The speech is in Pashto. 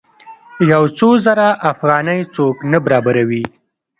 یو څو زره افغانۍ څوک نه برابروي.